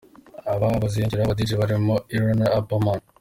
Aba baziyongeraho aba-Djs barimo Ira na Apeman.